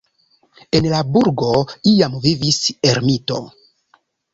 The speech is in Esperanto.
En la burgo iam vivis ermito.